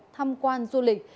thăm quan du lịch